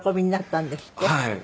はい。